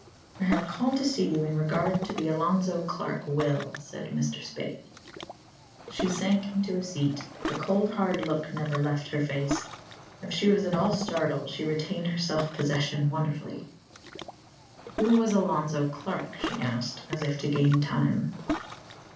"I have called to see you in regard to the Alonzo Clark will," said Mr. Spaythe. She sank into a seat, but the cold, hard look never left her face. If she was at all startled she retained her self possession wonderfully. "Who was Alonzo Clark?" she asked, as if to gain time.